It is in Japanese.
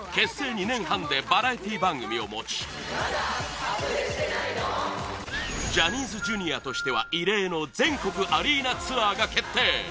２年半でバラエティー番組を持ちジャニーズＪｒ．としては異例の全国アリーナツアーが決定！